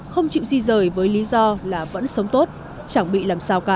không chịu di rời với lý do là vẫn sống tốt chẳng bị làm sao cả